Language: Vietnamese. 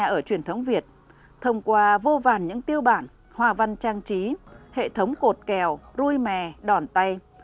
nhà ở truyền thống việt thông qua vô vàn những tiêu bản hòa văn trang trí hệ thống cột kèo rui mè đòn tay